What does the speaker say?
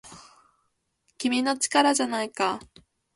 君の力じゃないか